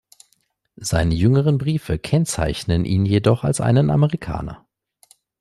Seine jüngeren Briefe kennzeichnen ihn jedoch als einen Amerikaner.